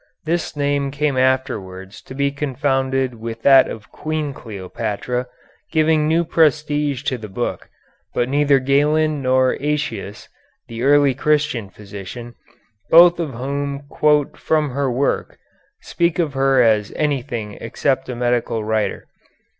This name came afterwards to be confounded with that of Queen Cleopatra, giving new prestige to the book, but neither Galen nor Aëtius, the early Christian physician, both of whom quote from her work, speak of her as anything except a medical writer.